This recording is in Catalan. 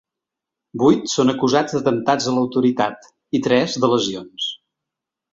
Vuit són acusats d’atemptats a l’autoritat i tres de lesions.